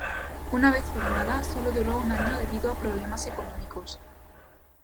Una vez formada, solo duró un año debido a problemas económicos.